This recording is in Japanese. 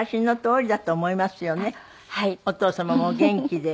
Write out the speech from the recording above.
お父様もお元気で。